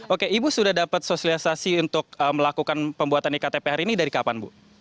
oke ibu sudah dapat sosialisasi untuk melakukan pembuatan iktp hari ini dari kapan bu